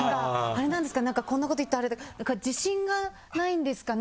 こんなこと言ったらあれですけど自信がないんですかね